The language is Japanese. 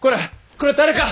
これ誰か！